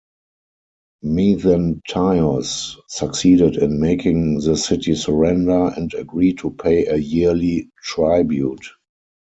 Mezentius succeeded in making the city surrender and agree to pay a yearly tribute.